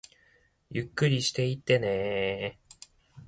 ゆっくりしていってねー